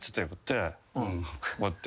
こうやって。